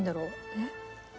えっ。